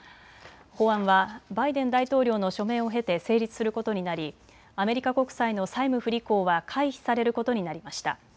法案はバイデン大統領の署名を経て成立することになりアメリカ国債の債務不履行は回避されることになりました。